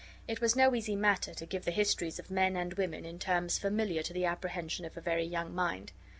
It was no easy matter to give the histories of men and women in terms familiar to the apprehension of a very young mind.